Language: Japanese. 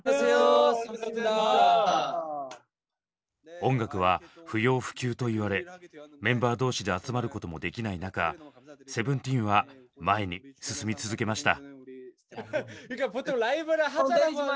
音楽は不要不急と言われメンバー同士で集まることもできない中ＳＥＶＥＮＴＥＥＮは前に進み続けました。